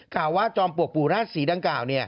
ข่าวว่าจอมปลวกปู่ราชศรีดังกล่าว